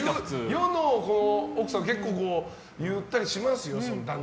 世の奥さんは結構、言ったりしますよ。